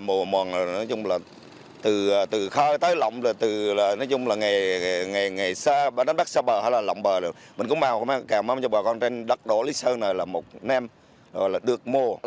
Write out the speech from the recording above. mùa mùa mùa này nói chung là từ khơi tới lộng là từ nói chung là ngày đánh bắt xa bờ hay là lộng bờ được mình cũng cao mắm cho bờ con trên đất đổ lý sơn này là một nêm được mùa